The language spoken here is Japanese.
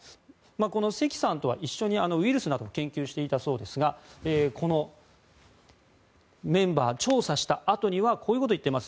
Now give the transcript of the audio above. このセキさんとは一緒にウイルスなどの研究をしていたそうですがこのメンバー、調査したあとにはこういうことを言っています。